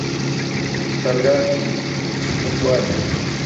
Sar gaarci̇mi̇, muk waali̇mi̇.